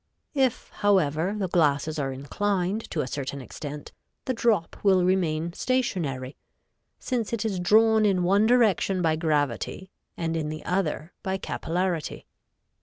If, however, the glasses are inclined to a certain extent, the drop will remain stationary, since it is drawn in one direction by gravity and in the other by capillarity.